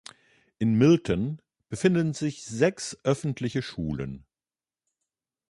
In Milton befinden sich sechs öffentliche Schulen.